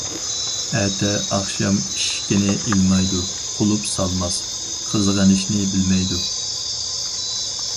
ئەتە-ئاخشام ئىشىكىنى ئىلمايدۇ، قۇلۇپ سالماس، قىزغىنىشنى بىلمەيدۇ.